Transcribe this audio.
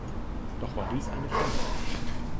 Doch war dies eine Finte.